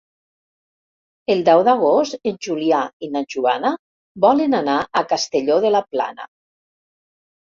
El deu d'agost en Julià i na Joana volen anar a Castelló de la Plana.